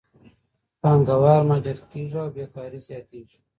پانګهوال مهاجر کېږي او بیکارۍ زیاتېږي.